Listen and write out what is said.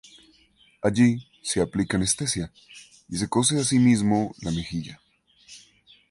Allí se aplica anestesia y se cose a sí mismo la mejilla.